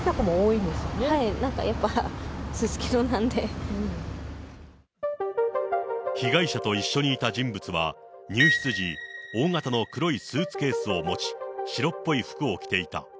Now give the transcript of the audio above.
なんかやっぱ、被害者と一緒にいた人物は、入室時、大型の黒いスーツケースを持ち、白っぽい服を着ていた。